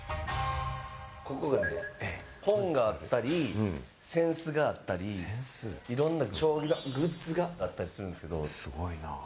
ここがね、本があったり、扇子があったり、いろんな将棋のグッズがあったりするんですけれども。